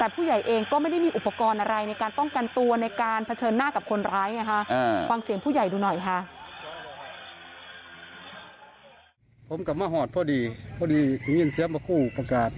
พ่อดียิ่งแชฟมาขู่ประกาศ